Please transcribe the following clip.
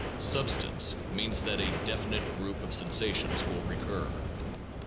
Substance means that a definite group of sensations will recur.